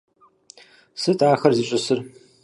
Сыт ахэр зищӀысыр?